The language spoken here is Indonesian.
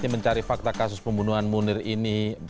mencari fakta kasus pembunuhan munir ini